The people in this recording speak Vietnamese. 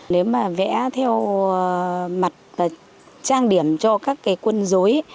nếu mà vẽ theo mặt trang điểm cho các cái quân dối